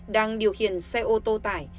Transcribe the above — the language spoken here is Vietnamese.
đang điều khiển xe ô tô tải